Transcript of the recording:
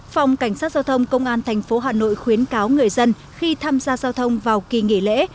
phòng cảnh sát giao thông công an tp hà nội khuyến cáo người dân khi tham gia giao thông vào kỳ nghỉ lễ